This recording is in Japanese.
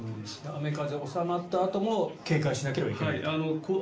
雨風収まったあとも警戒しなければいけない。